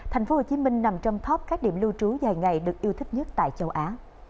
tp hcm nằm trong top các điểm lưu trú dài ngày được yêu thích nhất tại châu á